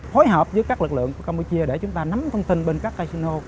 hối hợp với các lực lượng campuchia để chúng ta nắm thông tin bên các casino